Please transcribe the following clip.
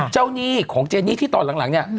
เจ้าหนี้ของเจนนี่ที่ตอนหลังนี่